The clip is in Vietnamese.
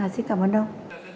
xin cảm ơn ông